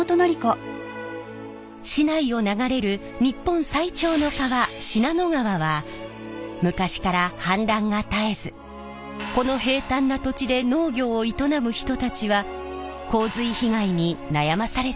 市内を流れる日本最長の川信濃川は昔から氾濫が絶えずこの平たんな土地で農業を営む人たちは洪水被害に悩まされてきました。